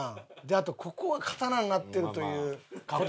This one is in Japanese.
あとここが刀になってるというこだわりと。